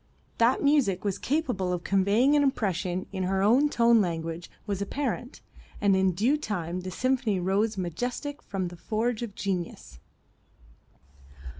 That music was capable of conveying an impression in her own tone language was apparent, and in due time the symphony rose majestic from the forge of genius.